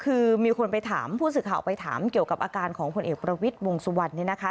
คือมีคนไปถามผู้สื่อข่าวไปถามเกี่ยวกับอาการของผลเอกประวิทย์วงสุวรรณเนี่ยนะคะ